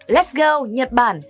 let s go nhật bản